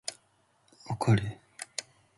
怒る